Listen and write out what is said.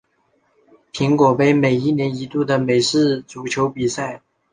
苹果杯每年一度的美式足球比赛。